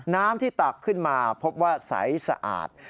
น้ำที่ตักขึ้นมาพบว่าใสสะอาด